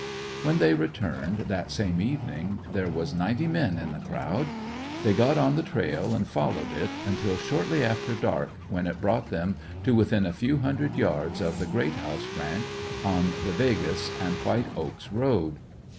When they returned, that same evening, there was ninety men in the crowd. They got on the trail and followed it, until shortly after dark, when it brought them to within a few hundred yards of the Greathouse ranch, on the "Vegas" and White Oaks road.